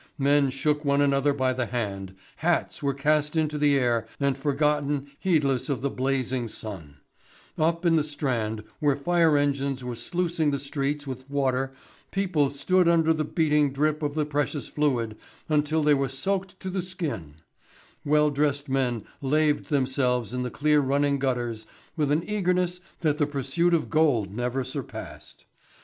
Men shook one another by the hand, hats were cast into the air and forgotten heedless of the blazing sun; up in the Strand where fire engines were sluicing the streets with water people stood under the beating drip of the precious fluid until they were soaked to the skin; well dressed men laved themselves in the clear running gutters with an eagerness that the pursuit of gold never surpassed.